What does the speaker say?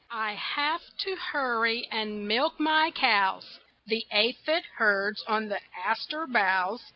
I have to hurry and milk my cows The aphid herds on the aster boughs."